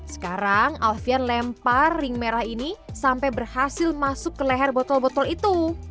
sekarang alfian lempar ring merah ini sampai berhasil masuk ke leher botol botol itu